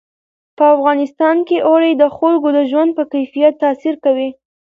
په افغانستان کې اوړي د خلکو د ژوند په کیفیت تاثیر کوي.